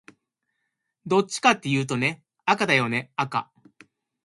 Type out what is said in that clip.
どっちかっていうとね、赤だよね赤